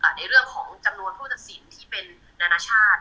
แล้วก็ส่วนในเรื่องของจำนวนผู้ตัดสินที่เป็นนานชาติ